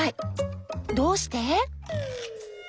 どうして？